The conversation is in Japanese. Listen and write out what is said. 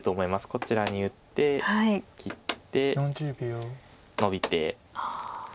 こちらに打って切ってノビて。